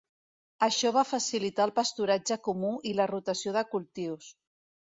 Això va facilitar el pasturatge comú i la rotació de cultius.